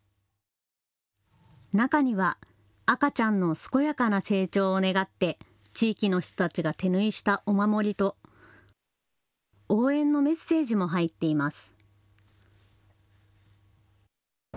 中には赤ちゃんの健やかな成長を願って地域の人たちが手縫いしたお守りと、応援のメッセージも入っています。